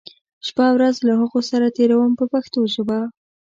شپه او ورځ له هغو سره تېروم په پښتو ژبه.